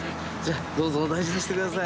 どうぞお大事にしてください。